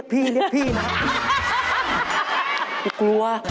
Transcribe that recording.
กลัว